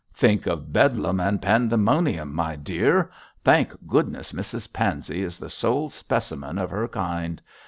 'Think of Bedlam and Pandemonium, my dear! Thank goodness Mrs Pansey is the sole specimen of her kind.